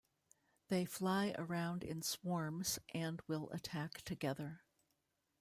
They fly around in "swarms" and will attack together.